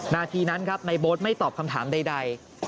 นาทีนั้นครับในโบ๊ทไม่ตอบคำถามใด